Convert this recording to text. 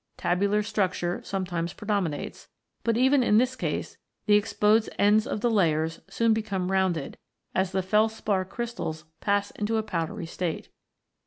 Tabular structure sometimes pre dominates ; but even in this case the exposed ends of the layers soon become rounded, as the felspar crystals pass into a powdery state.